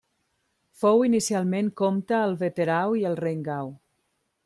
Fou inicialment comte al Wetterau i al Rheingau.